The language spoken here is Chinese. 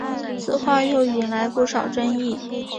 此话又引来不少争议。